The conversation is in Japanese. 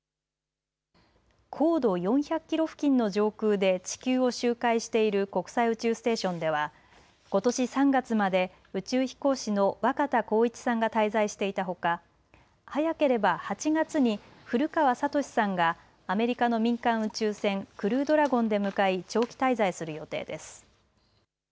高度４００キロ付近の上空で地球を周回している国際宇宙ステーションではことし３月まで宇宙飛行士の若田光一さんが滞在していたほか早ければ８月に古川聡さんがアメリカの民間宇宙船クルードラゴンで向かい長期滞在する予定です。